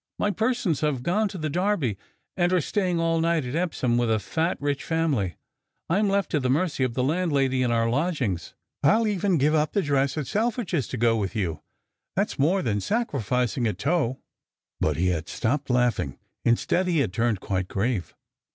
My persons have gone to the Derby, and are staying all night at Epsom with a fat, rich family. I m left to the mercy of the landlady in our lodgings. I ll even give up the dress at Selfridge s to go with you. That s more than sacrificing a toe!" But he had stopped laughing, Instead he had turned quite grave.